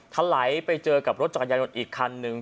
ถลายไปเจอกับรถจักรยานยนต์อีกคันหนึ่ง